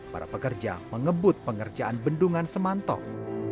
para pekerja mengebut pengerjaan bendungan semantok